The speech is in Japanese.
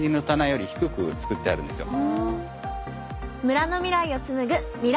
村の未来を紡ぐ未来